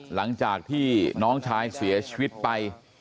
หลังจากที่น้องชายเสียชีวิตไป